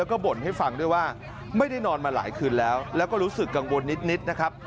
แล้วก็บ่นให้ฟังด้วยว่าไม่ได้นอนมาหลายคืนแล้วแล้วก็รู้สึกกังวลนิดนะครับ